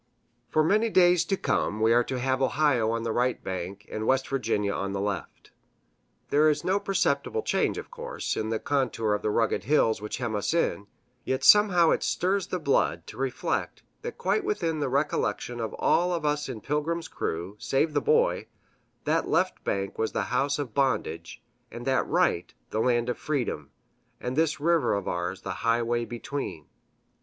For many days to come we are to have Ohio on the right bank and West Virginia on the left. There is no perceptible change, of course, in the contour of the rugged hills which hem us in; yet somehow it stirs the blood to reflect that quite within the recollection of all of us in Pilgrim's crew, save the Boy, that left bank was the house of bondage, and that right the land of freedom, and this river of ours the highway between.